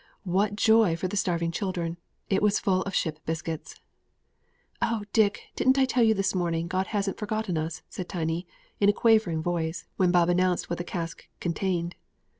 what joy for the starving children it was full of ship biscuits! "Oh, Dick, didn't I tell you this morning God hadn't forgotten us?" said Tiny, in a quavering voice, when Bob announced what the cask contained.